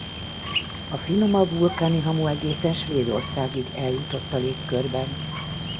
A finomabb vulkáni hamu egészen Svédországig eljutott a légkörben.